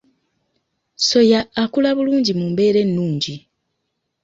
Soya akula bulungi mu mbeera ennungi.